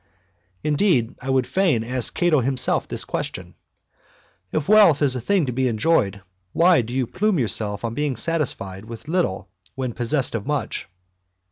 Indeed, I would fain ask Cato himself this question: " If wealth is a thing to be enjoyed, why do. you plume yourself.on being satisfied with little when possessed of much?"